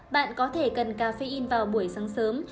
bạn có thể cần caffeine vào buổi sáng sớm